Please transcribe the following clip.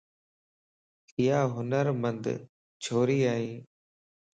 ايا ھنر مند ڇوري ائي.